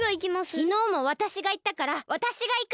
きのうもわたしがいったからわたしがいく！